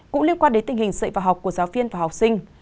cũng liên quan đến tình hình dạy vào học của giáo viên và học sinh